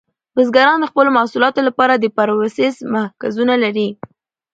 بزګران د خپلو محصولاتو لپاره د پروسس مرکزونه لري.